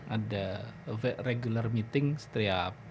ada regular meeting setiap